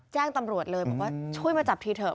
แจ้งตำรวจเลยบอกว่าช่วยมาจับทีเถอะ